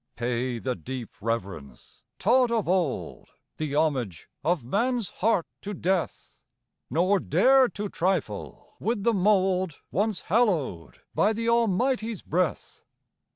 Pay the deep reverence, taught of old, The homage of man's heart to death; Nor dare to trifle with the mould Once hallowed by the Almighty's breath.